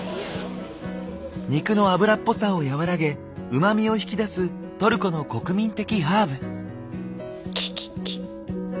肉の脂っぽさを和らげうまみを引き出すトルコの国民的ハーブ。